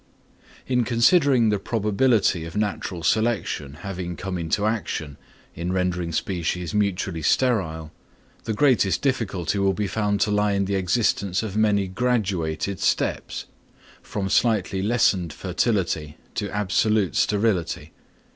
In considering the probability of natural selection having come into action, in rendering species mutually sterile, the greatest difficulty will be found to lie in the existence of many graduated steps, from slightly lessened fertility to absolute sterility.